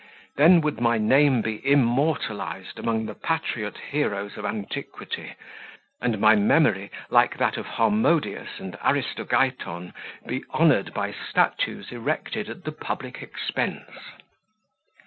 Then would my name be immortalised among the patriot heroes of antiquity, and my memory, like that of Harmodius and Aristogiton, be honoured by statues erected at the public expense."